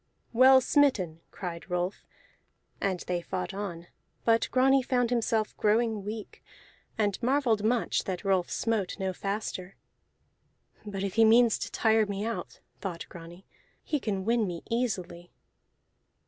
"Well smitten!" cried Rolf, and they fought on; but Grani found himself growing weak, and marvelled much that Rolf smote no faster. "But if he means to tire me out," thought Grani, "he can win me easily."